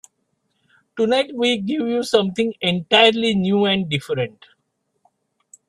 Tonight we give you something entirely new and different.